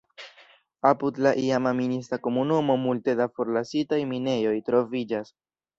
Apud la iama minista komunumo multe da forlasitaj minejoj troviĝas.